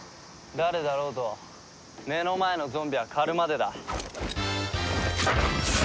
誰だろうと目の前のゾンビは狩るまでだ。